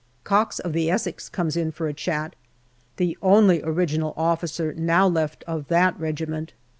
Cox, of the Essex, comes in for a chat, the only original officer now left of that regiment.